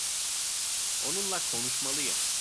Onunla konuşmalıyım.